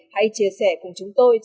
hãy chia sẻ cùng chúng tôi trên fanpage